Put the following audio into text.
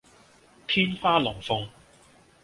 天花龍鳳